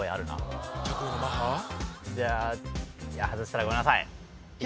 じゃ外したらごめんなさいえっ？